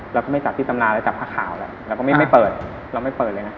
เราก็ไม่จับที่ตำนานแล้วจับผ้าขาวแล้วเราก็ไม่เปิดเราไม่เปิดเลยนะ